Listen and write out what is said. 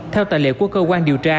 theo tài liệu của cơ quan điều tra